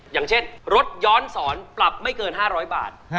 อย่างเช่นรถย้อนสอนปรับไม่เกิน๕๐๐บาท